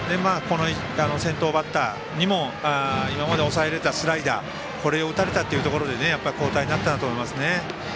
先頭バッターにも今まで抑えれたスライダーこれを打たれたということで交代になったんだと思います。